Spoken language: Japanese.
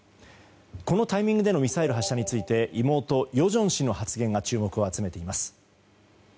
このタイミングでのミサイル発射について妹・与正氏の発言が注目を集めています。